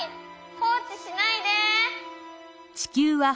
放置しないで！